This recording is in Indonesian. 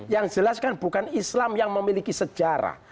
yang jelas kan bukan islam yang memiliki sejarah